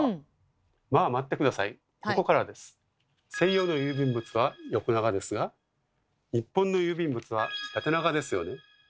西洋の郵便物は横長ですが日本の郵便物は縦長ですよね？